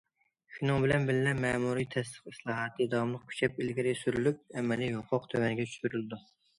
شۇنىڭ بىلەن بىللە، مەمۇرىي تەستىق ئىسلاھاتى داۋاملىق كۈچەپ ئىلگىرى سۈرۈلۈپ، ئەمەلىي ھوقۇق تۆۋەنگە چۈشۈرۈلىدۇ.